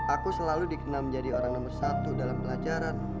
aku selalu dikenal menjadi orang nomor satu dalam pelajaran